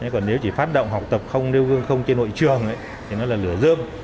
còn nếu chỉ phát động học tập không nêu gương không trên hội trường thì nó là lửa dơm